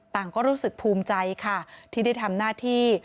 ก็รู้สึกภูมิใจค่ะที่ได้ทำหน้าที่